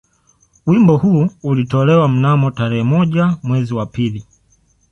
Wimbo huu ulitolewa mnamo tarehe moja mwezi wa pili